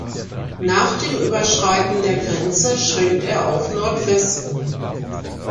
Nach dem Überschreiten der Grenze schwenkt er auf Nordwesten.